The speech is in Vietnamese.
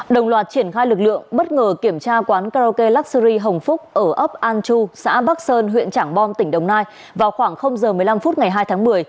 đồng loạt triển khai lực lượng bất ngờ kiểm tra quán karaoke luxury hồng phúc ở ấp an chu xã bắc sơn huyện trảng bom tỉnh đồng nai vào khoảng giờ một mươi năm phút ngày hai tháng một mươi